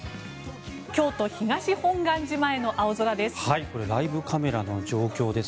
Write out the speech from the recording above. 京都・東本願寺前の青空です。